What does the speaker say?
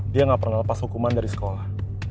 dia gak pernah lepas hukuman dari sekolah